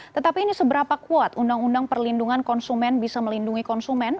tetapi ini seberapa kuat undang undang perlindungan konsumen bisa melindungi konsumen